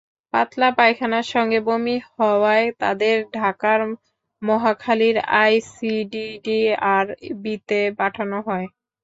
পাতলা পায়খানার সঙ্গে বমি হওয়ায় তাঁদের ঢাকার মহাখালীর আইসিডিডিআর, বিতে পাঠানো হয়।